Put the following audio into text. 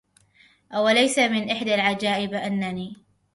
أوليس من إحدى العجائب أنني